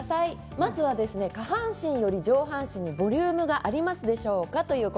まずは下半身より上半身にボリュームがありますでしょうか。